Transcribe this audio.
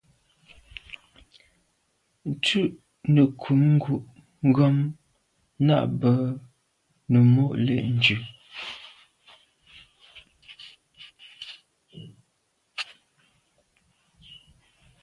Ntù’ nekum ngu’ gham nà à be num mo’ le’njù.